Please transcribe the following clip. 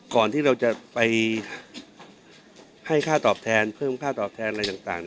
ก่อนที่เราจะไปให้ค่าตอบแทนเพิ่มค่าตอบแทนอะไรต่าง